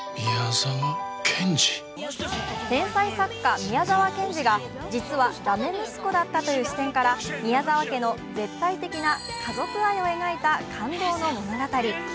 天才作家・宮沢賢治が実は駄目息子だったという視点から、宮沢家の絶対的な家族愛を描いた感動の物語。